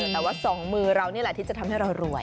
แต่ว่าสองมือเรานี่แหละที่จะทำให้เรารวย